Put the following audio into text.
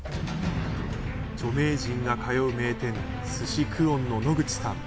著名人が通う名店すし久遠の野口さん